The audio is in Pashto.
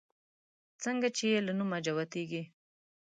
څنگه چې يې له نومه جوتېږي